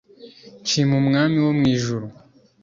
Nshim’umwami wo mw’ijuru